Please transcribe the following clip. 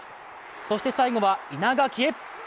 そして、最後は稲垣へ。